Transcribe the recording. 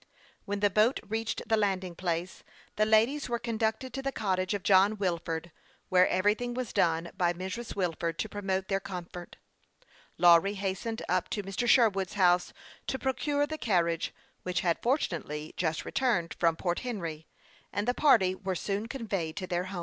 When the boat reached the landing place, the ladies were conducted to the cottage of John Wilford, where everything was done by Mrs. Wilford to promote their comfort. Lawry hastened up to Mr. Sherwood's house to procure the carriage, which had fortunately just returned from Port Henry, and the party were soon con veyed to their home.